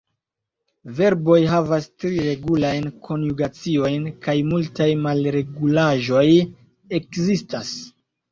Verboj havas tri regulajn konjugaciojn, kaj multaj malregulaĵoj ekzistas.